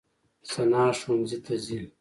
ثنا ښوونځي ته ځي.